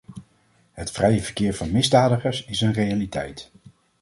Het vrije verkeer van misdadigers is een realiteit.